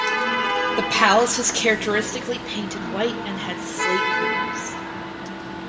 The palace was characteristically painted white and had slate roofs.